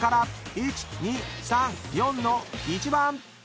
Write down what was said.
［１２３４の１番］